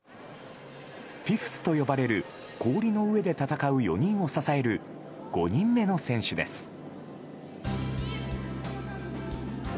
フィフスと呼ばれる氷の上で戦う４人を支える５人目の選手です。